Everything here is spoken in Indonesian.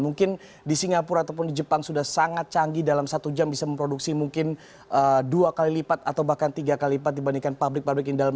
mungkin di singapura ataupun di jepang sudah sangat canggih dalam satu jam bisa memproduksi mungkin dua kali lipat atau bahkan tiga kali lipat dibandingkan pabrik pabrik yang dalam